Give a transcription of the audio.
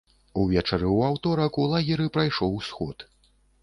Увечары ў аўторак у лагеры прайшоў сход.